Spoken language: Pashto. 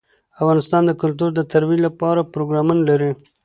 افغانستان د کلتور د ترویج لپاره پروګرامونه لري.